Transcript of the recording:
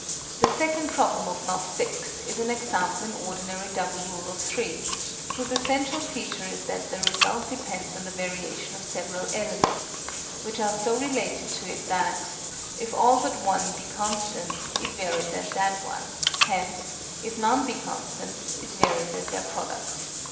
The second Problem of Knot VI. is an example in ordinary Double Rule of Three, whose essential feature is that the result depends on the variation of several elements, which are so related to it that, if all but one be constant, it varies as that one: hence, if none be constant, it varies as their product.